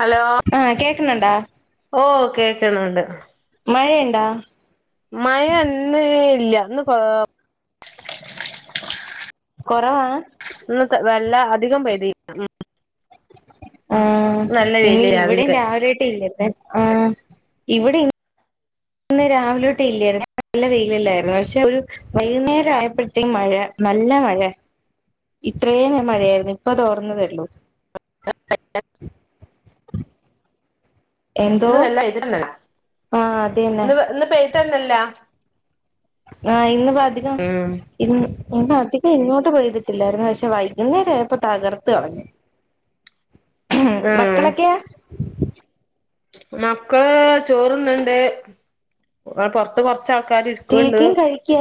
Hello ആഹ് കേക്ക്ണ് ണ്ടോ? ഓഹ് കേക്ക്ണൊണ്ട്. മയണ്ടോ? മയ ഇന്ന് ഇല്ല ഇന്ന് കൊ കൊറവാ ഇന്ന്ത്തെ വെല്ല അധികം പെയ്തി ആഹ് നല്ല ഇന്നി വെയില് ഇവ്ടെ രാവിലെയൊക്കെ രാവിലെതൊട്ട് ഇല്ല [unintelligible] ആഹ് ഇവിടെ ഇന്ന് രാവിലെട്ട് ഇല്ലാര്ന്നേ നല്ല വെയിലല്ലാര്ന്നൊ പക്ഷെ ഒരു വൈകുന്നേരം ആയപ്പഴത്തേ മഴ നല്ല മഴ ഇത്രേനേം മഴയാര്ന്നു ഇപ്പ തോർന്നതേള്ളൂ എന്തോ ഇന്ന് വെല്ലോ എഴ്തിട്ടൊണ്ടാര്ന്നോ? ആഹ് അതീന്നെ ഇന്ന് പെയ്ത്തന്നെല്ല. ആഹ് ഇന്ന്പ്പ അധികം ഉം ഇന്ന ഇന്നധികം ഇങ്ങോട്ട് പെയ്തിട്ടില്ലാര്ന്നു പക്ഷെ വൈന്നേരം ആയപ്പോ തകർത്ത്കളഞ്ഞു. ഏഹ് ഉം മക്കളൊക്കെയാ? മക്കള് ചോറ്ണ്ണ്ണ്ട് പൊറത്ത് കൊറച്ചാൾക്കാര് ഇരി ചേച്ചിം കഴിക്കാ?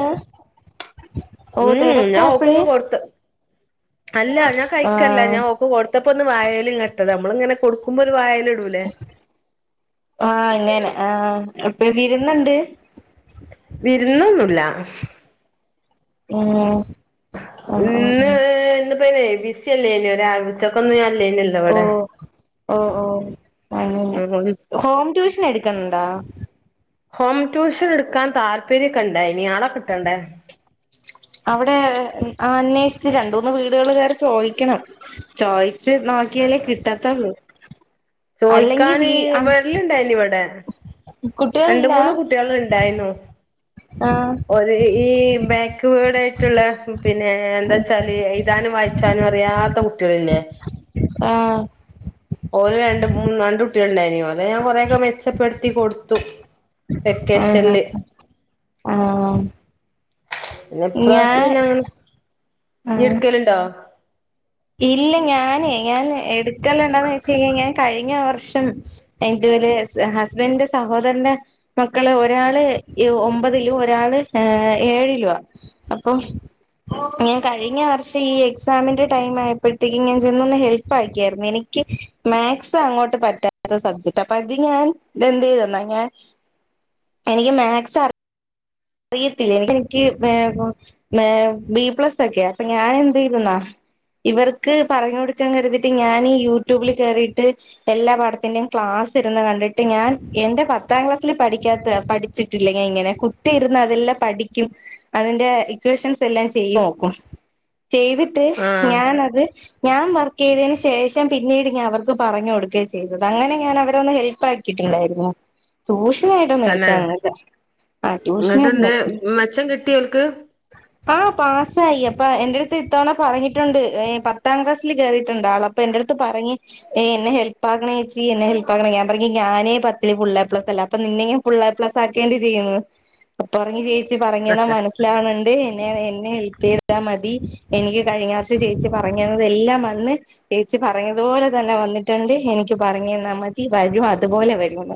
ഓ ഉം ഞാൻ തിരക്കാ അപ്പഴ് ഓക്ക്ക്കെ കൊട്ത്ത് അല്ല ഞാൻ കഴിക്കല്ല ആഹ് ഞാൻ ഓക്ക് കൊട് ടപ്പോന്ന് വായേല് ഇങ്ങ്ട്ടതാ നമ്മളിങ്ങനെ കൊട്ക്കുമ്പോ ഒരു വായേല് ഇടൂലേ? ആഹ് അങ്ങനെ ആഹ് അപ്പ വിര്ന്ന്ണ്ട് വിര്ന്നൊന്നുല്ല. ഉം ആഹ് ആഹ് ഇന്ന് ആഹ് ഇന്ന്പ്പന് എ ബി സി അല്ലായ്നോ രാവിൽത്തെക്കൊന്നും ഞാൻ ല്ലായിനല്ലോ ഓഹ് ഓഹ് ഓഹ് അങ്ങനെ ഇവിടെ ഹോം ട്യൂഷൻ എട്ക്കണ് ണ്ടോ? ഹോം ട്യൂഷൻ എട്ക്കാൻ താൽപര്യംക്കെണ്ടായ്നി ആളെ കിട്ടണ്ടേ? അവ്ടെ അന്വേഷിച്ച് രണ്ടൂന്ന് വീട്കള് കേറിചോയിക്കണം ചോയിച്ച് നോ ക്കിയലേ കിട്ടത്തൊള്ളൂ. ചോയിക്കാന് വെരല്ണ്ടായിന് ഇവ്ടെ രണ്ട് കുട്ടികളില്ല മൂന്ന് കുട്ടികള്ണ്ടായിനു ആഹ് ഒരേ ഈ ബാക്ക്വേഡ് ആയിട്ടുള്ള. പിന്നെ എന്താവെച്ചാല് എഴുതാനും വായിച്ചാനും അറിയാത്ത കുട്ടികളില്ലേ. ആഹ് ഓരെ രണ്ട് മൂന്ന് രണ്ട് കുട്ടികൾ ഉണ്ടായിനി ഓലെ ഞാൻ കൊറെ ഒക്കെ മെച്ചപ്പെടുത്തി കൊടുത്തു. വെക്കേഷനില് ആഹ് ആഹ് ആഹ്. പിന്നെ ഇപ്രാവശ്യം ഞാൻ ആഹ് എടുക്കല് ഇണ്ടോ? ഇല്ല ഞാന് ഞാന് എടുക്കാല് ഉണ്ടോന്ന് ചോദിച്ചു കഴിഞ്ഞാലും, കഴിഞ്ഞവർഷം. ഇതുവരെ ഹസ്ബന്റിന്റെ സഹോദരന്റെ. മക്കള് ഒരാള് എ ഒമ്പതിലും ഒരാള് ഏഹ് ഏഴിലുവാ. അപ്പൊ ഞാൻ കഴിഞ്ഞ വർഷം ഈ എക്സാമിന്റെ. ടൈം ആയപ്പോഴത്തേക്കും ഞാൻ ചെന്ന് ഒന്ന് ഹെൽപ് ആക്കിയായിരുന്നു, എനിക്ക്. മാത്‍സ് അങ്ങോട്ട് പറ്റാത്ത സബ്ജക്ട്, അപ്പൊ അത് ഞാൻ ഇതെന്ത് ചെയ്തെന്നോ ഞാൻ. എനിക്ക് മാത്‍സ് അറി അറിയത്തില്ല എനിക്ക് ഏഹ് മേം ബി പ്ലസ് ഒക്കെയാ, അപ്പൊ ഞാൻ എന്ത് ചെയ്തോന്നോ. ഇവർക്ക് പറഞ്ഞു കൊടുക്കാൻ കരുതിയിട്ട് ഞാൻ ഈ യൂട്യൂബിൽ കേറിയിട്ട്. എല്ലാ പാടത്തിന്റെ ക്ലാസ്സിരുന്ന് കണ്ടിട്ട് ഞാൻ എന്റെ പത്താം ക്ലാസ്സിൽ പഠിക്കാത്ത പഠിച്ചി ട്ടില്ല ഞാൻ ഇങ്ങനെ. കുത്തിരിന്ന് അതെല്ലാം പഠിക്കും, അതിന്റെ ഇക്വേഷൻസ് എല്ലാം ചെയ്ത് നോക്കും, ചെയ്തി ട്ട് ആഹ് ഞാനത്. ഞാൻ വർക്ക് ചെയ്തതിനുശേഷം പിന്നീട് ഞാൻ അവർക്ക് പറഞ്ഞു കൊടുക്കുകയും ചെയ്തത്, അങ്ങനെ ഞാൻ അവരെയൊന്ന് ഹെൽപ് ആക്കി. ക്കിട്ട് ഉണ്ടായിരുന്നു, ട്യൂഷന് ആയിട്ട് ഒന്ന് എടുക്കാൻ അങ്ങട്. ഉം എന്നിട്ടെന്തേ മെച്ചം കിട്ടിയോ ഓൽക്ക്. ആഹ് പാസ്സായി അപ്പോ എന്റെ അടുത്ത് ഇത്തവണ പറഞ്ഞിട്ടുണ്ട്, ഏഹ് പത്താം ക്ലാസ്സിൽ കേയറിയിട്ടുണ്ട് ആള്. അപ്പോ എന്റെ അടുത്ത് പറഞ്ഞു. ഏഹ് എന്നെ ഹെൽപ് ആക്കണേ ചേച്ചി എന്നെ ഹെൽപ് ആക്കണേ ഞാൻ പറഞ്ഞു ഞാനേ പത്തില് ഫുള്ള് എ പ്ലസ് അല്ല അപ്പൊ നിന്നെയോ. ഫുള്ള് എ പ്ലസ് ആക്കേണ്ടി ഇത് ചെയ്യുന്നു, അപ്പൊ പറഞ്ഞു ചേച്ചി പറഞ്ഞ് തന്നാൽ മനസി മനസ്സിലാവുന്നുണ്ട് എന്നെ എന്നെ ഹെൽപ് ചെയ്താൽ മതി, എനിക്ക് കഴിഞ്ഞ വർഷം ചേച്ചി പറഞ്ഞു തന്നതെല്ലാം വന്നു. ചേച്ചി പറഞ്ഞതുപോലെ തന്നെ വന്നിട്ടുണ്ട്, എനിക്ക് പറഞ്ഞ് തന്നാൽ മതി വരും അതുപോലെ വരും.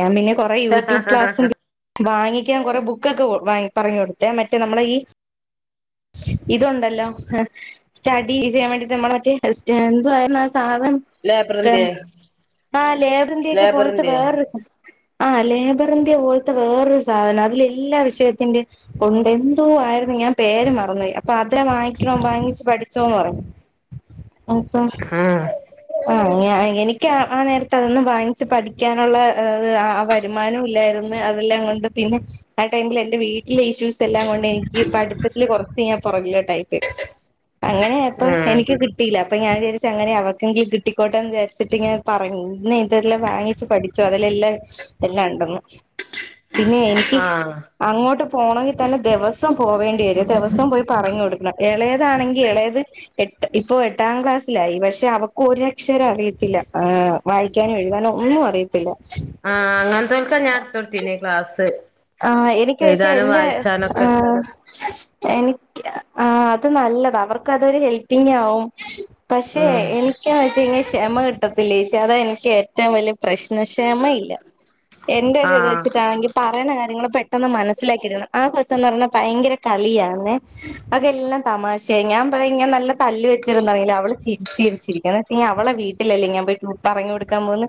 ഞാൻ പിന്നെ കൊറെ യൂട്യൂബ് ക്ലാസ് എടു വാങ്ങിക്കാൻ കൊറെ ബുക്ക് ഒക്കെ വാ പറഞ്ഞു കൊടുത്ത്, മറ്റേ നമ്മളെ ഈ. ഇതുണ്ടല്ലോ ആഹ് സ്റ്റഡി ചെയ്യാൻ വേണ്ടിട്ട് നമ്മള് മറ്റേ സ്റ്റ എന്തോയിരുന്നു. സാധനം ലേബർ ക എന്ത്യേ ആഹ് ലേബർ ഇന്ത്യ പോലത്തെ ലേബറിന്റെ വേറൊരു സാ ആഹ് ലേബർ ഇന്ത്യ പോലത്തെ വേറൊരു സാധനം അതില് എല്ലാ വിഷയത്തിന്റെയും. ഉണ്ട് എന്തോ ആയിരുന്നു ഞാൻ പേര് മറന്നുപോയി, അപ്പൊ അത് വാങ്ങിക്കണം വാങ്ങിച്ച് പഠിച്ചോന്ന് പറഞ്ഞു. അപ്പൊ ആഹ് ആഹ്. ഞാ എനിക്ക് ആഹ് ആഹ് നേരത്തെ അതൊന്ന് വാങ്ങിച്ച് പഠിക്കാനുള്ള അത് ആഹ് വരുമാനം ഇല്ലായിരുന്നു. പിന്നെ അതെല്ലാം കൊണ്ട് പിന്നെ. ആഹ് ടൈമിൽ എന്റെ വീട്ടില് ഇഷ്യൂസ് എല്ലാം കൊണ്ട് എനിക്ക് പഠിത്തത്തില് കുറച്ച് ഞാൻ പുറകിലോട്ട് ആയിപോയി. അങ്ങനെ ആയിപ്പോ ആഹ് എനിക്ക്. കിട്ടിയില്ല അപ്പൊ ഞാൻ വിചാരിച്ചു അങ്ങനെ അവർക്കെങ്കിലും കിട്ടിക്കോട്ടേന്ന് വിചാരിച്ചിട്ട് ഞാൻ പറഞ്ഞു, നീ ഇതെല്ലാം വാങ്ങിച്ച് പഠി ച്ചോ അതിൽ എല്ലാം എല്ലാം ഉണ്ടെന്ന്, പിന്നെ എനിക്ക്. ആഹ് അങ്ങോട്ട് പോണമെങ്കിൽ തന്നെ ദിവസം പോവേണ്ടി വരും, ദിവസം പോയി പറഞ്ഞു കൊടുക്കണം ഇളയതാണെങ്കിൽ ഇളയത്. എട്ട് ഇപ്പൊ എട്ടാം ക്ലാസ്സിലായി, പക്ഷെ അവക്ക് ഒരക്ഷരം അറിയത്തില്ല, ആഹ്. വായിക്കാനും എഴുതാനും ഒന്നും അറിയത്തില്ല ആഹ് അങ്ങനത്തോൽക്കാ ഞാൻ എടുത്തൊടുത്തീന്നെ ക്ലാസ് ആഹ് എനിക്ക് പക്ഷേ എഴുതാനും എൻ്റെ വായിച്ചാനൊക്കെ ആഹ് എനിക്ക് ആഹ് അത് നല്ലത് അവർക്ക് അതൊരു ഹെൽപിംഗ് ആവും പക്ഷെ ഉം എനിക്കാച്ചങ്കി ക്ഷമ കിട്ടത്തില്ല അതാ എനിക്ക് ഏറ്റവും വലിയ പ്രശ്നം ക്ഷമ ഇല്ല എന്റെ ഒരു ഇത് ആഹ് വെച്ചിട്ടാണെങ്കി പറയണ നിങ്ങള് പെട്ടെന്ന് മനസ്സിലാക്കിയെടുക്കണം ആഹ് പേ സം ന്ന് പറഞ്ഞാ ഭയങ്കര കളിയാണ് അവക്കെല്ലാം തമാശയാ ഞാൻ ഇങ്ങനെ നല്ല തല്ല് വെച്ചിര്ന്ന് അവള് ചിരിച്ചിരിച്ചിരിക്കാ അവളെ വീ ട്ടിലല്ലേ ഞാൻ പോയി പറഞ്ഞു കൊടുക്കാൻ പോകുന്നെ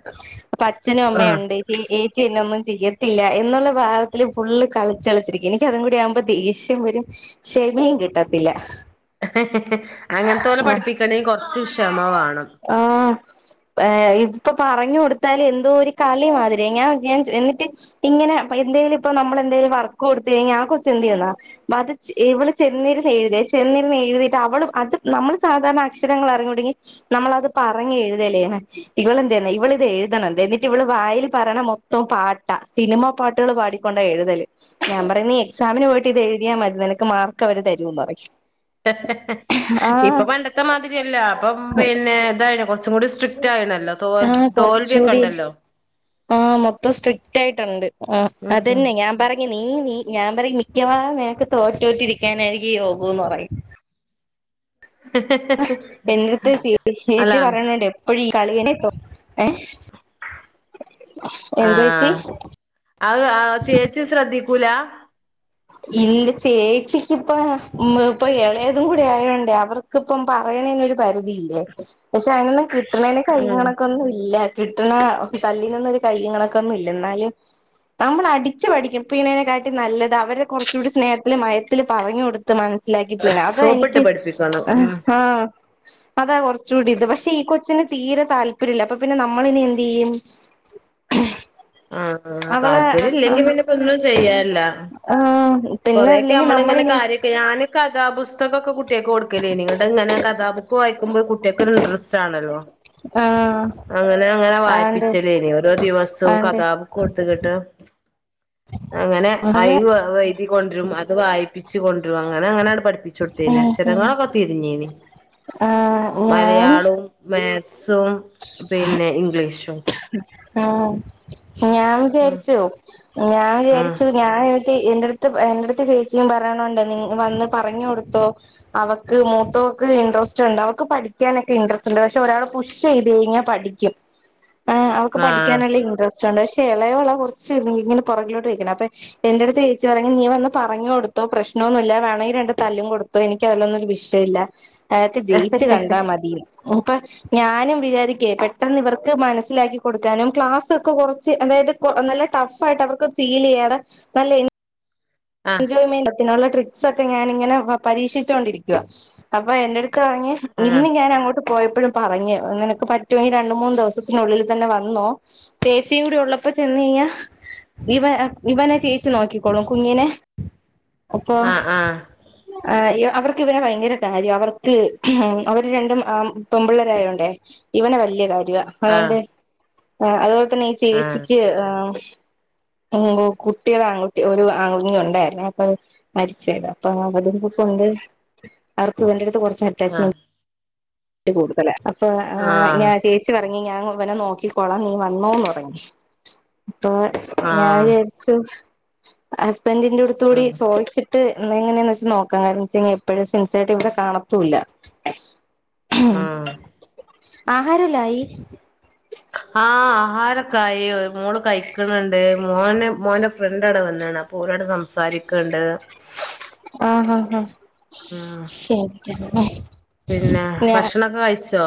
അപ്പം അഛനും ആഹ് അമ്മയുണ്ട് ചഏച്ചി എന്നെഒന്നും ചെയ്യത്തില്ല എന്നുള്ള ഭാ ഇതില് ഫുള്ള് കളിച്ചളച്ചിരിക്കും എനിക്ക് അതും കൂടി ആവുമ്പോ ദേഷ്യം വരും ക്ഷമയും കിട്ടത്തില്ല അങ്ങനത്തോലെ ആ പഠിപ്പിക്കണെ കൊറച്ച് ക്ഷമ വേണം ആഹ് ഏഹ് ഇത് ഇപ്പൊ പറഞ്ഞു കൊടുത്താല് എന്തോ ഒരു കളി മാതിരിയ ഞാൻ ഞാൻ എന്നിട്ട് ട്ടിങ്ങനെ പയ് എന്തേലും ഇപ്പ നമ്മളെന്തേലും വർക്ക് കൊടുത്ത കഴിഞ്ഞാ ആഹ് കൊച്ച് എന്തു ചെയ്യന്നാ മത് ചെ ഇവള് ചെന്നിരുന്ന് എഴുതി ചെന്നിരുന്ന് എഴുതിട്ട് അവളും അത് നമ്മള് സാധാരണ അക്ഷരങ്ങൾ അറിഞ്ഞൂടെങ്കി നമ്മളത് പറഞ്ഞ് എഴുതലേന്ന് ഇവള് എന്ത് ചെയ്യന്നോ ഇവളിത് എഴുതണ എന്ത എന്നിട്ട് ഇവള് വായിൽ പറയ മൊത്തം പാട്ടാ സിനിമാ പാട്ടുകൾ പാടി കൊണ്ടാണ് എഴുതല് ഞാൻ പറയും നീ എക്സാമിന് പോയിട്ട് ഇത് എഴുതിയാ മതി നിനക്ക് മാർക്ക് അവര് തരൂന്ന് പറയും ആഹ് ഇപ്പൊ പണ്ടത്തെ മാതിരിയല്ല അപ്പ പിന്നെ ഇതായന് കൊറച്ചു ഇവിടെ സ്ട്രിറ്റ് ആയ്ന്നല്ലോ തോൽ ആഹ് തോൽവിയക്ക കൊറച്ചൂടി ഒണ്ടല്ലോ ആഹ് മൊത്തം സ്ട്രിക്റ്റായ്ട്ടൊണ്ട് ആഹ് ഉം ഉം അതന്നെ ഞാൻ പറ നീ നീ ഞാൻ പറയും മിക്കവാറും നിനക്ക് തോറ്റ്തോറ്റിരിക്കാനായിരിക്കും യോഗോന്ന് പറയും അഹ് എന്നിട്ട് അല്ല ചേച്ചി പറയുണ്ട് എപ്പോഴും ഈ കളിനെ എന്തോ ഏഹ് എന്തോ ച്ചി ആഹ് ആഹ് ചേച്ചി ശ്രദ്ധിക്കൂല ഇന്റെ ചേച്ചിക്കിപ്പം ഉം ഇപ്പൊ ഇളയതും കൂടി ആയോണ്ടേ അവർ ക്കിപ്പം പറയണേന് ഒരു പരിധിയില്ലേ പക്ഷെ അതിനൊന്നും കിട്ടണേന് കൈയും ഉം കണക്കും ഒന്നും ഇല്ല കിട്ടണ തല്ലിനൊന്നൊരു കൈയും കണക്കൊന്നും ഇല്ല എന്നാലും നമ്മൾ അടിച്ചു പഠിക്കും പീണേനെക്കാട്ടി നല്ലത് അവരെ കുറച്ചുകൂടി സ്നേഹത്തില് മയത്തില് പറഞ്ഞു കൊടു ത്ത് മനസ്സിലാക്കിപിണ അത സോപ്പിട്ട് എനിക്ക് പഠിപ്പിക്കണം ഇഹ് ഉം ഹാ അതാ കുറച്ചുകൂടി ഇത് പക്ഷെ ഈ കൊച്ചിന് തീരെ താല്പര്യം ഇല്ല അപ്പൊ പിന്നെ നമ്മളിന് എന്ത് ചെയ്യും [unintelligible] അഹ് ആഹ് അവളെ താല്പര്യം ഇല്ലെങ്കി പിന്നെപ്പോ ഒന്നും ചെയ്യാനില്ല ആഹ് പിന്നെ കൊറെയക്കെ അല്ലെങ്കിൽ നമ്മള് ഇങ്ങനെ നമ്മളിനി കാര്യ ഞാന് കഥാപുസ്തകഒക്കെ കുട്ടികക്ക് കൊടുക്കലേന് ഇവിട് ഇങ്ങനെ കഥാബുക്ക് വായി ക്കുമ്പോ കുട്ടികക്കൊരു ഇൻട്രസ്റ്റ് ആണല്ലോ ആഹ് അങ്ങനെ അങ്ങനെ ആണ്ട് വായിപിച്ചലേനി ഓരോ ദിവസവും ക ആണ്ട് ഥാ ബുക്ക് കൊടുത്ത് കിട്ട് അങ്ങനെ ഐ അത് വ വൈ എഴുതി കൊണ്ട്രുരും അത് വായിപ്പി ച്ചു കൊണ്ട്രും അങ്ങനെ അങ്ങനെ പഠിപ്പിച്ച് കൊടുത്തേന് ഉം ഉം അക്ഷരങ്ങളൊക്കെ തിരിഞ്ഞേന് ആഹ് ഞാൻ മാത്സും പിന്നെ ഇംഗ്ലീഷും ആഹ് ഞാൻ ഉം വിചാരിച്ചു ഞാൻ വിചാരിച്ചു ഉം ഞാൻ [unintelligible] ഇന്റടുത്ത് എന്റടുത്ത് ചേച്ചിയും പറിണോണ്ട് നീ വന്ന് പറഞ്ഞു കൊടുത്തോ അവക്ക് മൂത്തോക്ക് ഇൻട്രസ്റ്റ് ഉണ്ട് അവക്ക് മൂത്തോക്ക് ഇൻട്രസ്റ്റ് ഇണ്ട് അവക്ക് പഠിക്കാനൊക്കെ ഇൻട്രസ്റ്റ് ഇണ്ട് പക്ഷെ ഒരാള് പുഷ് ചെയ്ത് കഴിഞ്ഞാ പഠിക്കും ആഹ് അവക്ക് ആഹ് പഠിക്കാനുള്ള ഇൻട്രസ്റ്റ് ഉണ്ട് പക്ഷെ എളെയവളാ കോർച്ച് ഇങ്ങനെ പുറകിലോട്ട് നിക്ക്ണേ അപ്പൊ എന്റെ അടുത്ത് ചേച്ചി പറയും നീ വന്ന് പറഞ് കൊടുത്തോ പ്രശ്നോന്നുല്ല വേണോങ്കി രണ്ട് തല്ലും കൊടു ത്തോ എനിക്ക് അതില്ലൊന്നും ഒരു വിഷയല്ല അഹക്കെ ജയിച്ച് കണ്ടാ മതിന്ന് ഇപ്പൊ ഞാനും വിചാരിക്കെ പെട്ടെന്ന് ഇവർക്ക് മന സ്സിലാക്കി കൊടുക്കാനും ക്ലാസ് ഒക്കെ കുറച്ച് അതായത് നല്ല ടഫ് ആയിട്ട് അവർക്ക് ഫീല്യ്യാതെ നല്ല എ ആഹ് ജോയ്മെന്റത്തിനുള്ള ട്രിക്സ് ഒക്കെ ഞാനിങ്ങനെ പരീക്ഷിച്ചോണ്ടിരിക്കുവാ അപ്പൊ എന്റടു [unintelligible] ഇന്ന് ഞാന് അങ്ങോട്ട് പോയപ്പഴും പറഞ്ഞ് നിനക്ക് പറ്റുമെങ്കി രണ്ട്, മൂന്ന് ദിവസത്തിനുള്ളിൽ തന്നെ വന്നോ ചേച്ചിയും കൂടെ ഉള്ളപ്പോ ചെന്ന് കഴിഞ്ഞാ ഇവ ഇവനെ ചേച്ചി നോക്കിക്കോളും കുഞ്ഞിനെ അപ്പൊ ആഹ് ആഹ് ആഹ് യോ അവർക്ക് ഇവനെ ഭയങ്കര കാര്യാ അവർക്ക് അവര് രണ്ടും ആഹ് പെമ്പിള്ളാരായോണ്ടേ ഇവനെ വല്യാ കാര്യാ ആഹ് [unintelligible] അതുപോലെ തന്നെ ഈ ആഹ് ചേച്ചിക്ക് ആഹ് കുട്ടി ഒരാൻ കുട്ടി ഒരു ആൺ കുഞ്ഞു [unintelligible] മരിച്ചതാ അപ്പൊ അതും കൊണ്ട് അവർക്ക് ഇവന്റടുത്ത് കോർച്ച് ആഹ് ട്ട് കൂടുതലാ അപ്പൊ ആഹ് ഞാ ചേച്ചി ച്ച് പറഞ് ഞാൻ ഇവനെ നോക്കിക്കോളാം നീ വന്നോന്ന് പറഞ് അപ്പൊ ഞാൻ ആഹ് വിചാരി ച്ചു ഹസ്ബന്റിന്റെ എട്തൂടി ഉം ചോയിച്ച് ട്ട് ഇന്നെങ്ങനെന്ന് വെച്ച് നോക്ക [unintelligible] എപ്പഴും സിൻസേട്ട് ഇവടെ കാണത്തുല്ല ഉം ആഹാരല്ലായി ആഹ് ആഹാരൊക്കെ ആയി മോള് കഴിക്ക്ണ് ണ്ട് മോന് മോന്റെ ഫ്രണ്ടടെ വന്ന്ണ് പ്പോല അവിടെ സംസാരിക്ണ്ട് ആഹ് ആഹ് ആഹ് ഉം ശരി പിന്നെ ഞാ ഭക്ഷണൊക്കെ കഴിച്ചോ?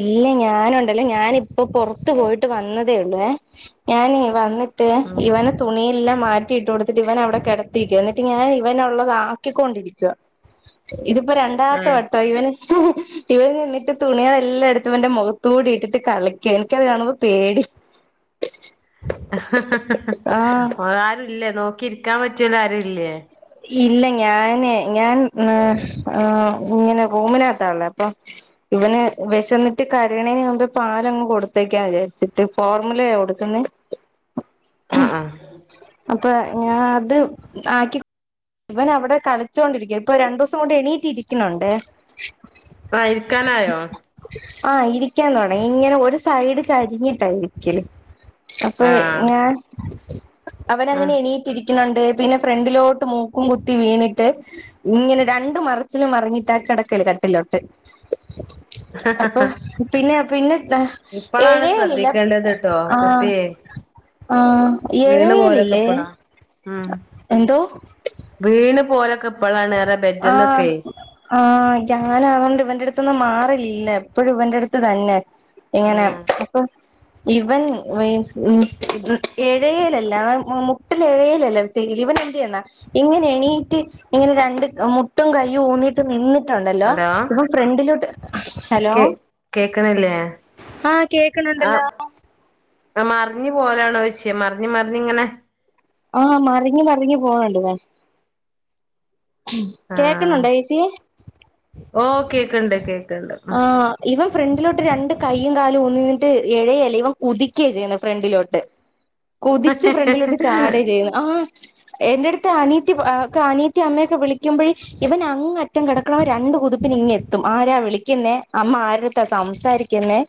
ഇല്ല ഞാനുണ്ടല്ലോ ഞാനിപ്പ പൊറത്ത് പോയിട്ട് വന്നതേ ഒള്ളെ ഞാന് വന്നിട്ട് ഉം ഇവനെ തുണിയല്ലാം മാറ്റിട്ട് കോടുത്തിട്ട് ഇവനവിടെ കിടത്തീക്കുവ എന്നിട്ട് ഞാൻ ഇവനുള്ളത് ആക്കിക്കൊണ്ടിരിക്കുവാ ഇത്പ്പോ രണ്ടാമത്തെ ഏഹ് വട്ടാ ഇവന് ഇവന് ഇന്നിട്ട് തുണികളെല്ലാം എട്ത്ത് ഇവന്റെ മുഖത്തൂടിട്ടിട്ട് കളിക്ക ഇൻക്ക് അത് കാണുമ്പോ പേടി ആഹ് ആരുല്ലേ നോക്കി ഇരിക്കാൻ പറ്റിയോലാരുല്ലേ? ഇല്ല ഞാന് ഞാൻ ഇങ്ങനെ റൂമിനകത്താള്ളേ അപ്പം ഇവന് വെശന്നിട്ട് കരീണേന് മുമ്പേ പാലങ്ങ് കൊടുത്തേക്കാന്ന് വിചാരിച്ചിട്ട് ഫോർമുലയാ കൊടുക്കുന്നേ ആഹ് ആഹ് അപ്പൊ ഞാ അത് ആക്കി ഇവനവിടെ കളിച്ചൊണ്ടിരിക്ക്യാ ഇപ്പൊ രണ്ടൂസം കൊണ്ട് എണീറ്റിരിക്ക്ണൊണ്ട് ആഹ് ഇരിക്കാനായോ? ആഹ് ഇരിക്കാൻ തൊടങ്ങി ഇങ്ങനെ ഒരു സൈഡ് ചരിഞ്ഞിട്ടാ ഇരിക്കല് അപ്പ ആഹ് ഞാൻ അവങ്ങനെ ആഹ് എണീറ്റിരിക്ക്ണുണ്ട് പിന്നെ ഫ്രണ്ടിലോട്ട് മു ക്കും കുത്തി വീണിട്ട് ഇങ്ങനെ രണ്ട് മറിച്ചില് മറിഞ്ഞിട്ടാ കെടക്കല് കട്ടിലോട്ട് അപ്പ പിന്നെ പിന്നെ ഇപ്പളാണ് എഴയലില്ല ശ്രദ്ധിക്കേണ്ടത് ട്ടോ ആഹ് കുട്ടിയെ ആഹ് ഈ വീണ് പോവലൊക്കെ എഴയലില്ലേ ഇപ്പളാ ഉം എന്തോ? വീണ് പോലൊക്കെ ഇപ്പളാണ് ഏറെ ആഹ് ബെഡ്ന്നൊക്കെ ആഹ് ഞാനതോണ്ട് ഇവന്റെട്ത്ത്ന്ന് മാറലില്ലാ എപ്പഴും ഇവന്റെട്ത്ത് തന്നെ ഇങ്ങനെ ഉം അപ്പം ഇവൻ [unintelligible] എഴെയലല്ലാ അതാ മുട്ടിലെഴയലല്ലാ ഇവനെന്ത്‌ ചെയ്യുവെന്നാ ഇങ്ങനെ എണീറ്റ് ഇങ്ങനെ രണ്ട് മുട്ടും കൈയ്യും ഊന്നിട്ട് ട്ട് നിന്നിട്ടൊണ്ടല്ലോ ഹലോ ഇവൻ ഫ്രണ്ടിലോട്ട് ഹലോ കേക്ക്ന്നില്ലേ ആഹ് കേക്കണൊണ്ടല്ലോ ആഹ് മറിഞ്ഞ് പോവലാണോ ചോയിച്ചെയാ മറിഞ്ഞ് മറിഞ്ഞ് ഇങ്ങനെ ആഹ് മറിഞ്ഞ് മറിഞ്ഞ് പോ [unintelligible] ഉം കേക്ക്ന്നൊണ്ടോ ചേച്ചീ ഓഹ് കേക്ക്ണ്ട് കേക് ആഹ് ഇവൻ ഫ്രണ്ടിലോട്ട് രണ്ട് കൈയും കാലും ഊന്നി നിന്നിട്ട് എഴയെല്ലാ ഇവൻ കുതിക്കാ ചെയ്യ്ന്നെ ഫ്രണ്ടിലോട്ട് കുതിച്ച് ഫ്രണ്ടിലോട്ട് ചാടാ ചെയ്യുന്നെ ആഹ് എൻ്റെടുത്ത് അനിയത്തി പ ആഹ് അനിയത്തി അമ്മയൊക്കെ വിളിക്കുമ്പഴ് ഇവനങ്ങറ്റം കെടക്കണവൻ രണ്ട് കുതിപ്പിനിങ്ങെത്തും ആരാ വിളി ക്ക്ന്നെ അമ്മ ആരുടെട്ത്താ സംസാരിക്ക്ന്നെ.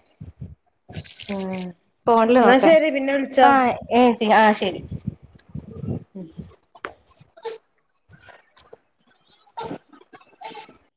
ഫോണില് എന്നാ നോക്കാൻ ശരി പിന്നെ വിളിച്ചോ ആഹ് ഏഹ് ചേച്ചി ആഹ് ശെരി. ഉം [unintelligible]